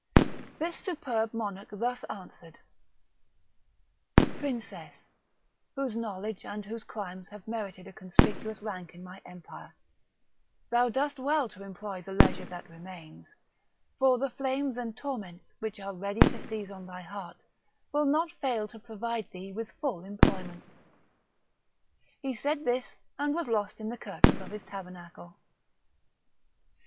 This superb monarch thus answered: "Princess, whose knowledge and whose crimes have merited a conspicuous rank in my empire, thou dost well to employ the leisure that remains; for the flames and torments, which are ready to seize on thy heart, will not fail to provide thee with full employment." He said this, and was lost in the curtains of his tabernacle.